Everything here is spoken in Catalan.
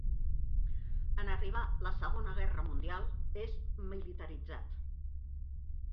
En arribar la Segona Guerra Mundial és militaritzat.